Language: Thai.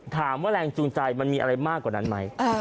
แรงจูงใจมันมีอะไรมากกว่านั้นไหม